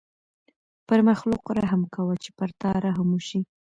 پر مخلوق رحم کوه چې پر تا رحم وشي.